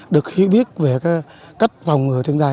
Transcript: được hiểu biết về cách phòng ngừa thiên tai